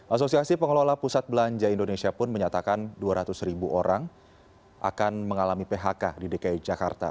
asosiasi pengelola pusat belanja indonesia pun menyatakan dua ratus ribu orang akan mengalami phk di dki jakarta